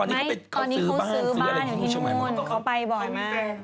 ตอนนี้เขาซื้อบ้านซื้ออะไรอย่างงี้ที่เชียงใหม่หรืออันนั้น